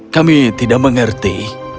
kami tidak mengerti